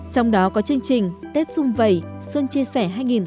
trong đó có chương trình tết dung vầy xuân chia sẻ hai nghìn hai mươi bốn